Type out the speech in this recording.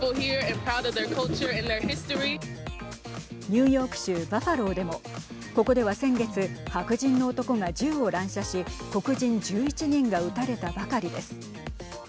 ニューヨーク州バファローでもここでは先月白人の男が銃を乱射し黒人１１人が撃たれたばかりです。